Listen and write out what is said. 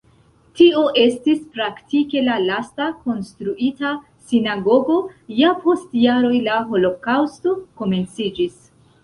Tio estis praktike la lasta konstruita sinagogo, ja post jaroj la holokaŭsto komenciĝis.